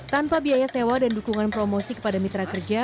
tanpa biaya sewa dan dukungan promosi kepada mitra kerja